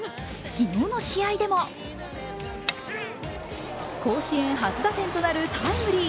昨日の試合でも甲子園初打点となるタイムリー。